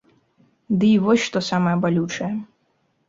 Дый вось што самае балючае.